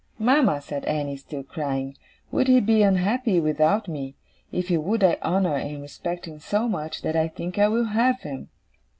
"Mama," said Annie, still crying, "would he be unhappy without me? If he would, I honour and respect him so much, that I think I will have him."